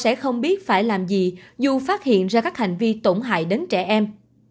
vì thế họ sẽ không biết phải làm gì dù phát hiện ra các hành vi tổn hại đến trẻ em